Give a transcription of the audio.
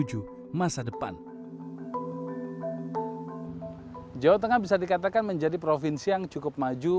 jawa tengah bisa dikatakan menjadi provinsi yang cukup maju